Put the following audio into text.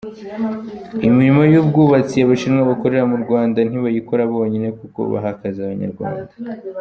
Imirimo y’ ubwubatsi Abashinwa bakorera mu Rwanda ntibayikora bonyine kuko baha akazi Abanyarwanda.